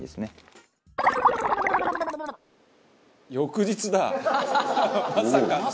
「翌日だ！まさかの」